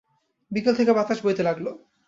বিকেল থেকে বাতাস বইতে লাগল।